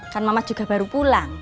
kan mamat juga baru pulang